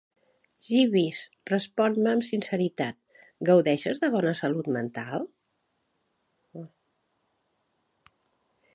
Jeeves, respon-me amb sinceritat: gaudeixes de bona salut mental?